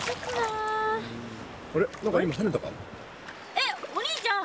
えっお兄ちゃん